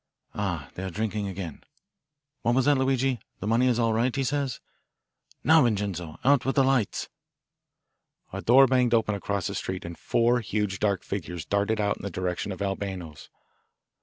Ah, they are drinking again. What was that, Luigi? The money is all right, he says? Now, Vincenzo, out with the lights!" A door banged open across the street, and four huge dark figures darted out in the direction of Albano's.